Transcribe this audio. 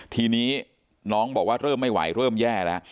ทีนี้น้องบอกว่าเริ่มไม่ไหวเริ่มแย่แล้ว